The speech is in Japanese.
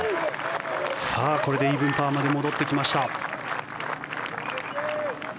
これでイーブンパーまで戻ってきました。